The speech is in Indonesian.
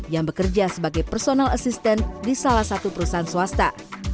yang bekerja sebagai personal assistant di salah satu perusahaan swasta